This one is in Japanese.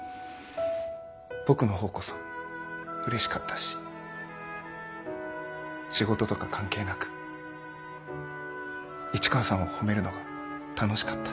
僕のほうこそうれしかったし仕事とか関係なく市川さんを褒めるのが楽しかった。